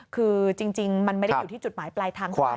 คือจริงมันไม่ได้อยู่ที่จุดหมายปลายทางเท่าไหร่